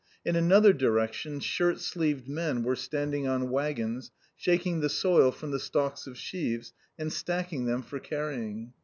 In another direction shirt sleeved men were standing on waggons, shaking the soil from the stalks of sheaves, and stacking them for carrying.